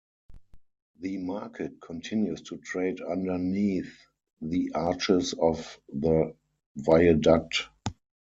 The Market continues to trade underneath the arches of the viaduct.